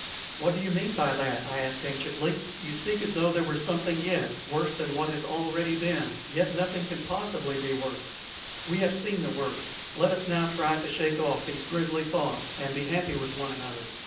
"What do you mean by that?" I asked, anxiously. "You speak as though there were something yet worse than what has already been; yet nothing can possibly be worse. We have seen the worst; let us now try to shake off these grisly thoughts, and be happy with one another.